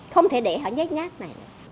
không thể để họ nhát nhát này